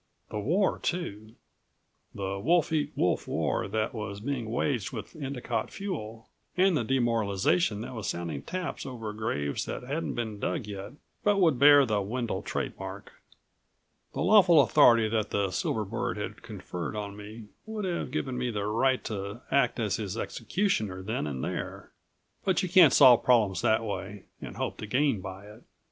The war, too the wolf eat wolf war that was being waged with Endicott Fuel, and the demoralization that was sounding taps over graves that hadn't been dug yet but would bear the Wendel trademark. The lawful authority that the silver bird had conferred on me would have given me the right to act as his executioner then and there. But you can't solve problems that way and hope to gain by it